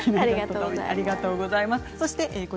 ありがとうございます。